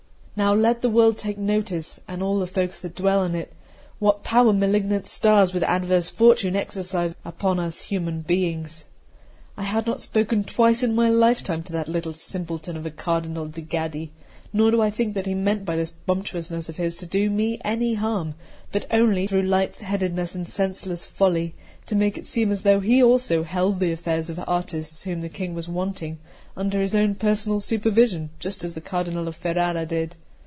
Now let the world take notice, and all the folk that dwell on it, what power malignant stars with adverse fortune exercise upon us human beings! I had not spoken twice in my lifetime to that little simpleton of a Cardinal de' Gaddi; nor do I think that he meant by this bumptiousness of his to do me any harm, but only, through lightheadedness and senseless folly, to make it seem as though he also held the affairs of artists, whom the King was wanting, under his own personal supervision, just as the Cardinal of Ferrara did.